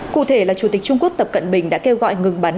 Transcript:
cụ thể là chủ tịch trung quốc tập cận bình đã kêu gọi ngừng bắn